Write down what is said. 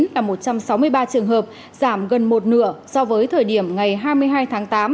là một trăm sáu mươi ba trường hợp giảm gần một nửa so với thời điểm ngày hai mươi hai tháng tám